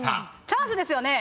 チャンスですよね